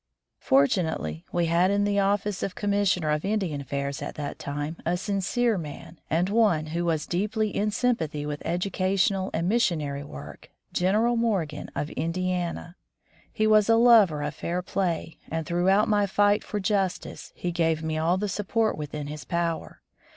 Fortunately we had in the oflSce of Com missioner of Indian Affairs at that time a sincere man, and one who was deeply in sympathy with educational and missionary work. General Morgan of Indiana. He was a lover of fair play, and throughout my fight for justice he gave me all the support within his power.